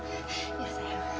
kamu harus tetap berhati hati